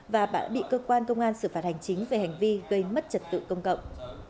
và bão bị cơ quan công an xử phạt hành chính về hành vi gây mất trật tự công cộng